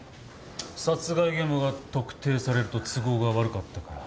殺害現場が特定されると都合が悪かったから。